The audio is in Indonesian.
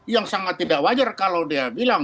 yang sangat tidak wajar kalau dia bilang